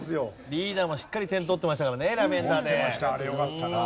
リーダーもしっかり点取ってましたからねラベンダーで。